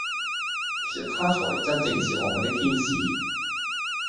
其實他才真正是我們的天使。